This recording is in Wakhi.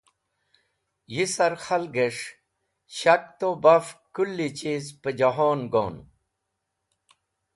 Yisar k̃hagẽs̃h shak to baf kulichizẽ pẽjehon gon.